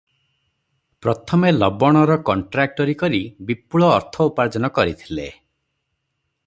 ପ୍ରଥମେ ଲବଣର କଣ୍ଟ୍ରାକ୍ଟରୀ କରି ବିପୁଳ ଅର୍ଥ ଉପାର୍ଜ୍ଜନ କରିଥିଲେ ।